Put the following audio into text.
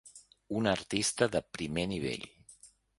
Una artista ‘de primer nivell’